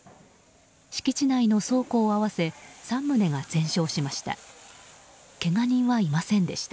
敷地内の倉庫を合わせ３棟が全焼しました。